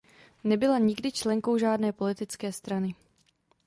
Nebyla nikdy členkou žádné politické strany.